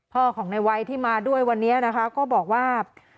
พ่อของในวัยที่มาด้วยวันนี้นะคะก็บอกว่า